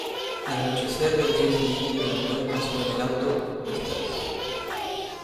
Al anochecer del día siguiente durante un paseo en el auto, Mrs.